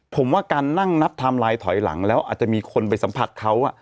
ผมว่าการนั่งนับไทม์ไลน์ถอยหลังแล้วอาจจะมีคนไปสัมผัสเขา